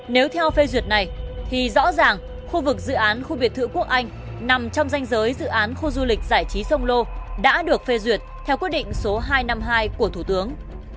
nếu theo phê duyệt này thì rõ ràng khu vực dự án khu biệt thự quốc anh nằm trong danh giới dự án khu du lịch giải trí sông lô đã được phê duyệt theo quyết định số hai trăm năm mươi hai của thủ tướng